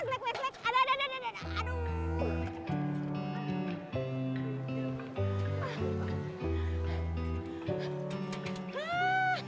aduh aduh aduh